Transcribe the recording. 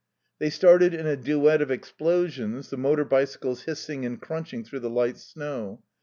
They started in a duet of explosions, the motor bicycles hissing and crunching through the light snow.